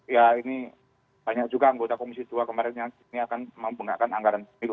ya ini banyak juga anggota komisi dua kemarin yang ini akan menggunakan anggaran pemilu